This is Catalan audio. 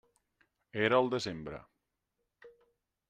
Era al desembre.